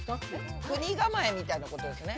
「くにがまえ」みたいなことですね？